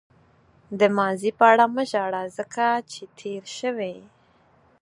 د ماضي په اړه مه ژاړه ځکه چې تېر شوی.